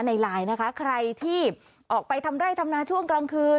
ในไลน์นะคะใครที่ออกไปทำไร่ทำนาช่วงกลางคืน